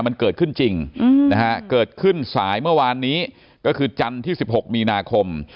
มันเกิดขึ้นจริงนะฮะเกิดขึ้นสายเมื่อวานนี้ก็คือจันทร์ที่๑๖มีนาคม